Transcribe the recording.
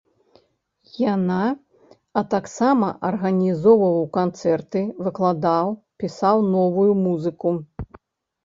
Яна, а таксама арганізоўваў канцэрты, выкладаў, пісаў новую музыку.